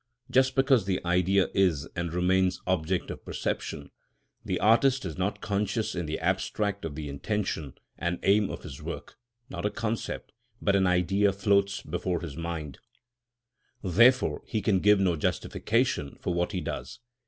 Just because the Idea is and remains object of perception, the artist is not conscious in the abstract of the intention and aim of his work; not a concept, but an Idea floats before his mind; therefore he can give no justification of what he does.